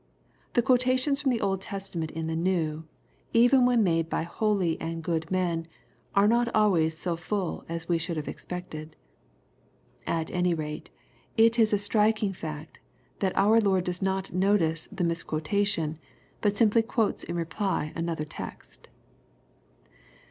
The quotations from the Old Testament in the New, even when made by holy and good men, are not always so full as we should have expected. At any rate, it is a striking fact that our Lord does not notice the misquotation, but simply quotes in reply another text.